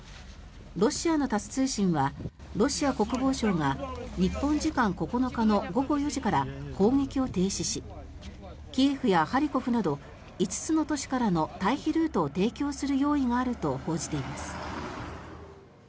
ロシアのタス通信はロシア国防省が日本時間９日の午後４時から攻撃を停止しキエフやハリコフなど５つの都市からの退避ルートを提供する用意があると報じています。